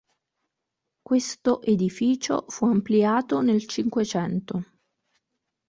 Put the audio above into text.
Questo edificio fu ampliato nel Cinquecento.